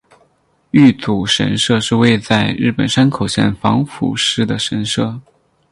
玉祖神社是位在日本山口县防府市的神社。